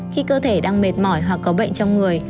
khi cơ thể đang mệt mỏi hoặc có bệnh trong người